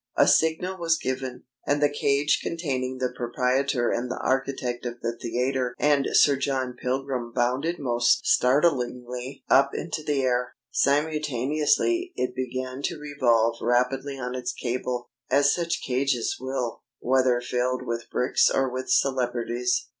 A signal was given, and the cage containing the proprietor and the architect of the theatre and Sir John Pilgrim bounded most startlingly up into the air. Simultaneously it began to revolve rapidly on its cable, as such cages will, whether filled with bricks or with celebrities.